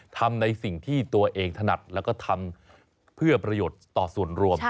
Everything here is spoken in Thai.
ทำในสิ่งที่ตัวเองถนัดแล้วก็ทำเพื่อประโยชน์ต่อส่วนรวม